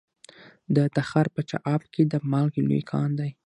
د تخار په چاه اب کې د مالګې لوی کان دی.